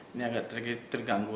ini agak terganggu